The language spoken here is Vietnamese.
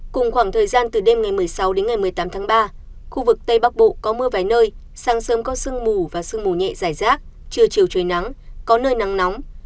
cùng khoảng thời gian từ đêm ngày một mươi sáu đến ngày một mươi tám tháng ba khu vực tây bắc bộ có mưa vài nơi sáng sớm có sương mù và sương mù nhẹ giải rác trưa chiều trời nắng có nơi nắng nóng